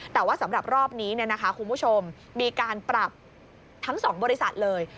แต่ว่าสำหรับรอบนี้คุณผู้ชมมีการปรับทั้ง๒บริษัทเลย